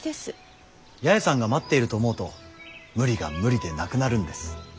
八重さんが待っていると思うと無理が無理でなくなるんです。